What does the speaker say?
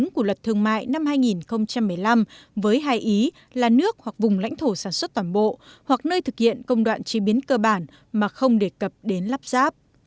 của luật thương mại năm hai nghìn một mươi năm với hai ý là nước hoặc vùng lãnh thổ sản xuất toàn bộ hoặc nơi thực hiện công đoạn chế biến cơ bản mà không đề cập đến lắp ráp